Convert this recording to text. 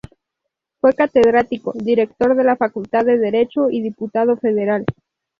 Fue catedrático, director de la facultad de Derecho y diputado federal.